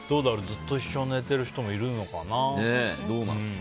ずっと一緒に寝てる人もいるのかな。